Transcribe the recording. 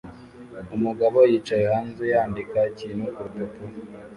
Umugabo yicaye hanze yandika ikintu kurupapuro